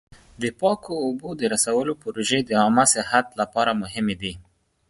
د پاکو اوبو د رسولو پروژې د عامه صحت لپاره مهمې دي.